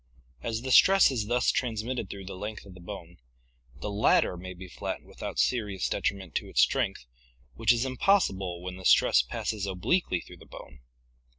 As the stress is thus transmitted through the length of the bone, the latter may be flattened without serious detriment to its strength, which is impossible when the stress passes obliquely through the bone.